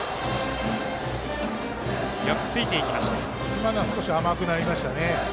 今のは少し甘くなりましたね。